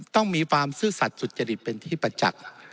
ต้องมีความซื่อสัตว์สุจริตเป็นที่ประจักษ์